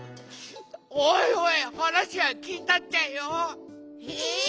おいおいはなしはきいたっちゃよ！えっ！？